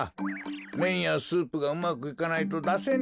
めんやスープがうまくいかないとだせんのじゃろう。